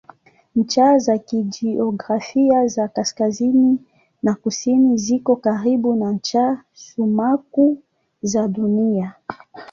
Ncha za kijiografia za kaskazini na kusini ziko karibu na ncha sumaku za Dunia.